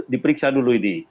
diperiksa dulu ini